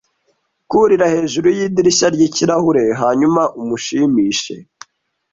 kurira hejuru yidirishya ryikirahure hanyuma umushimishe